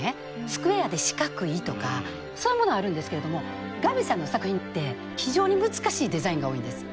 スクエアって四角いとかそういうものあるんですけれどもガビさんの作品って非常に難しいデザインが多いんです。